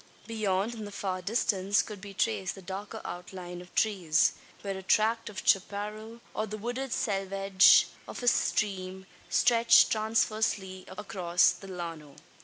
Beyond, in the far distance, could be traced the darker outline of trees where a tract of chapparal, or the wooded selvedge of a stream stretched transversely across the llano.